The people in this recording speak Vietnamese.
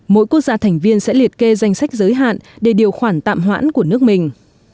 mỗi quốc gia thành viên sẽ liệt kê danh sách giới hạn để điều khoản tạm hoãn của nước mình